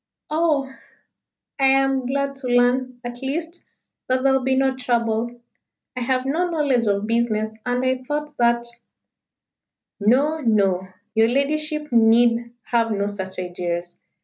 "Oh! I am glad to learn, at least, that there will be no trouble. I have no knowledge of business, and I thought that " "No no your ladyship need have no such ideas.